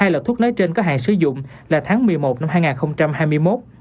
hai loại thuốc nói trên có hạn sử dụng là tháng một mươi một năm hai nghìn hai mươi một